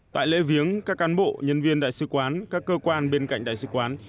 tại lễ viếng các cán bộ nhân viên đại sứ quán các cơ quan bên cạnh đại sứ quán